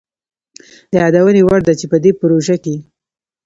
د يادوني وړ ده چي په دې پروژه کي